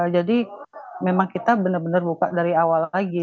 jadi memang kita benar benar buka dari awal lagi